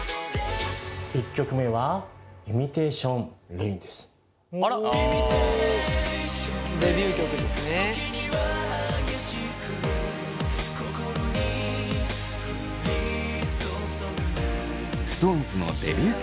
１曲目は「ＩｍｉｔａｔｉｏｎＲａｉｎ時には激しく心に降り注ぐ」ＳｉｘＴＯＮＥＳのデビュー曲。